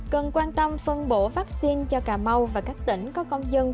cần quan tâm phân bổ vaccine cho cà mau và các tỉnh có công dân